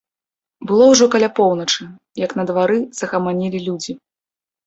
Было ўжо каля поўначы, як на двары загаманілі людзі.